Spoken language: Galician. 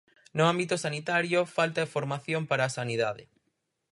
No ámbito sanitario, falta formación para a sanidade.